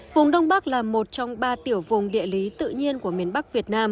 vùng đông bắc là một trong ba tiểu vùng địa lý tự nhiên của miền bắc việt nam